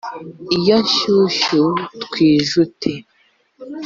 iyo nshyushyu twijute